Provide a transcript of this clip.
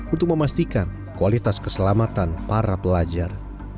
untuk memastikan kualitas keselamatan para pelajar